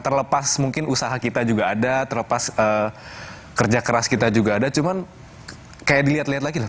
terlepas mungkin usaha kita juga ada terlepas kerja keras kita juga ada cuman kayak dilihat lihat lagi